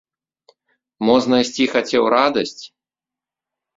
Мо знайсці хацеў радасць?